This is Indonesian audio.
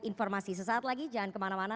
informasi sesaat lagi jangan kemana mana